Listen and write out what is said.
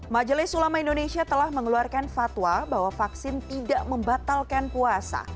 majelis ulama indonesia telah mengeluarkan fatwa bahwa vaksin tidak membatalkan puasa